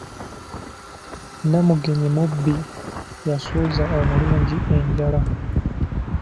Namugenyi mubi, yasuza omulungi enjala.